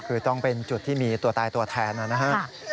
คือต้องเป็นจุดที่มีตัวตายตัวแทนนะครับ